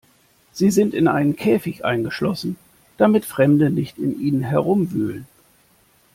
Sie sind in einen Käfig eingeschlossen, damit Fremde nicht in ihnen herumwühlen.